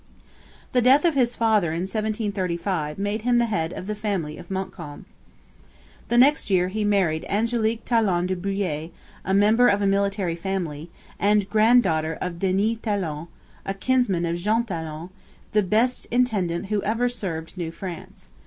The death of his father in 1735 made him the head of the family of Montcalm. The next year he married Angelique Talon du Boulay, a member of a military family, and grand daughter of Denis Talon; a kinsman of Jean Talon, the best intendant who ever served New France.